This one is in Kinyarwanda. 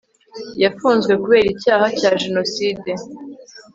yafunzwe kubera icyaha cya jenoside